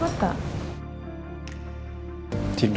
j garden trump jelatuh